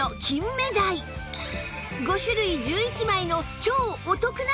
５種類１１枚の超お得なセットです